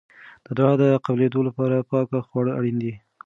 د دعا د قبلېدو لپاره پاکه خواړه اړین دي.